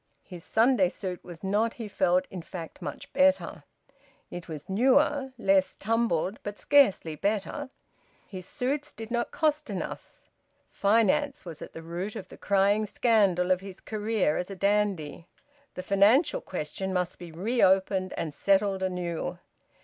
His Sunday suit was not, he felt, in fact much better. It was newer, less tumbled, but scarcely better. His suits did not cost enough. Finance was at the root of the crying scandal of his career as a dandy. The financial question must be reopened and settled anew.